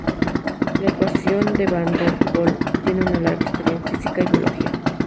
La ecuación de van der Pol tiene una larga historia en física y biología.